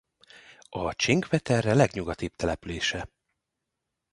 A Cinque Terre legnyugatibb települése.